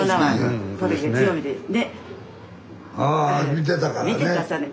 見てたさね。